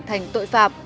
thành tội phạm